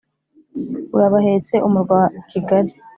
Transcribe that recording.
Urabahetse umurwa Kigali,